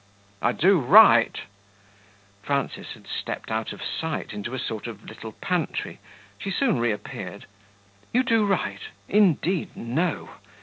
"I do right." Frances had stepped out of sight into a sort of little pantry; she soon reappeared. "You do right? Indeed, no!